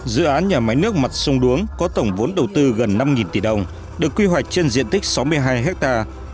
dự án nhà máy nước mặt sông đuống có tổng vốn đầu tư gần năm tỷ đồng được quy hoạch trên diện tích sáu mươi hai hectare